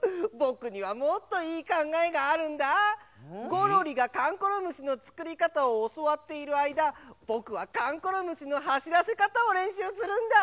ゴロリがこんころむしのつくりかたをおそわっているあいだぼくはかんころむしのはしらせかたをれんしゅうするんだ！